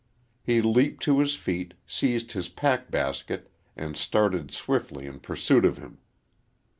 He leaped to his feet, seized his pack basket, and started swiftly in pursuit of him.